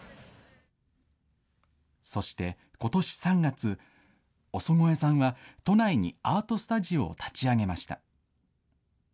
そして、ことし３月、尾曽越さんは都内にアートスタジオを立ち上げました。